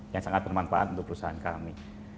yang sangat bermanfaat untuk perusahaan kami